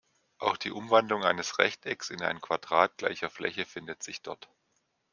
Auch die Umwandlung eines Rechtecks in ein Quadrat gleicher Fläche findet sich dort.